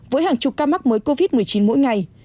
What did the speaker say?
với hàng chục ca mắc mới covid một mươi chín mỗi ngày